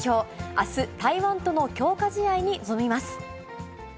あす、台湾との強化試合に臨みます。